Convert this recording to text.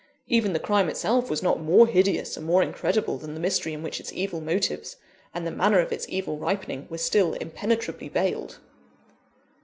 Even the crime itself was not more hideous and more incredible than the mystery in which its evil motives, and the manner of its evil ripening, were still impenetrably veiled.